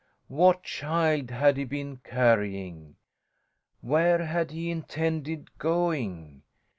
What child had he been carrying? Where had he intended going?